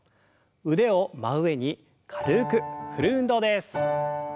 腕を真上に軽く振る運動です。